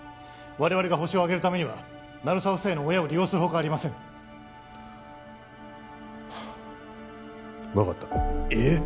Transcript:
我々がホシを挙げるためには鳴沢夫妻の親を利用するほかありません分かったえっ！？